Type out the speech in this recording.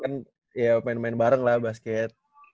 kan ya main main bareng lah basket